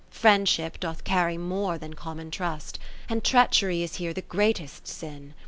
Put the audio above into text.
VII Friendship doth carry more than common trust, And Treachery is here the greatest sin.